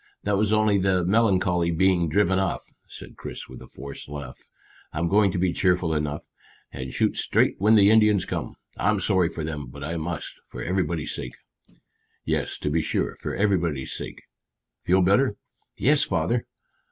That was only the melancholy being driven off," said Chris with a forced laugh. "I'm going to be cheerful enough, and shoot straight when the Indians come. I'm sorry for them, but I must, for everybody's sake." "Yes, to be sure, for everybody's sake. Feel better?" "Yes, father."